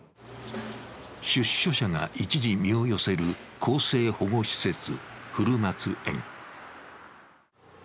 出所者が一時身を寄せる更生保護施設古松園。